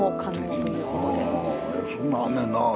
そんなんあんねんな。